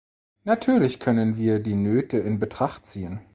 Natürlich können wir die Nöte in Betracht ziehen.